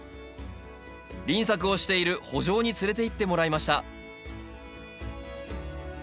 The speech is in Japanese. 輪作をしている圃場に連れていってもらいました